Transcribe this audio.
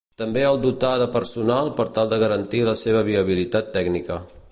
També el dotarà de personal per tal de garantir la seva viabilitat tècnica.